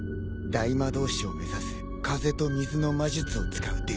大魔道士を目指す風と水の魔術を使うデジモンだよ。